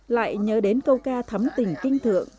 lại nhớ đến câu ca thấm tình kinh thượng